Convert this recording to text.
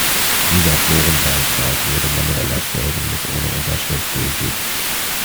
Dieser Forenbeitrag wurde manuell erstellt und ist ohne Unterschrift gültig.